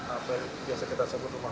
apa yang biasa kita sebutkan